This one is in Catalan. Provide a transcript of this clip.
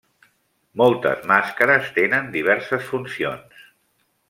Moltes màscares tenen diverses funcions.